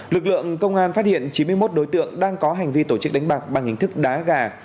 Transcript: lực lượng công an phát hiện chín mươi một đối tượng đang có hành vi tổ chức đánh bạc bằng hình thức đá gà